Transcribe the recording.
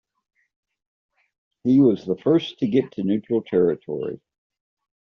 He was the first to get to neutral territory.